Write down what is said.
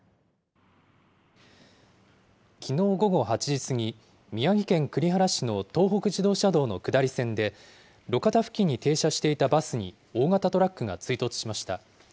きのう午後８時過ぎ、宮城県栗原市の東北自動車道の下り線で、路肩付近に停車していたバスに大型トラックが追突しました。